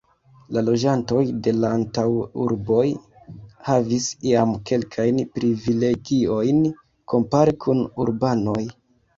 La loĝantoj de l' antaŭurboj havis iam kelkajn privilegiojn kompare kun urbanoj.